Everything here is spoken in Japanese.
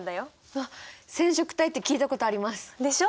あっ染色体って聞いたことあります！でしょ。